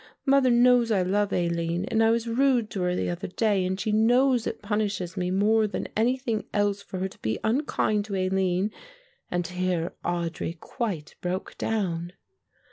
Mother knows I love Aline and I was rude to her the other day and she knows it punishes me more than anything else for her to be unkind to Aline"; and here Audry quite broke down.